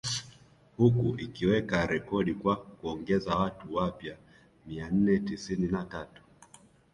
Huku ikiweka rekodi kwa kuongeza watu wapya mia nne tisini na tatu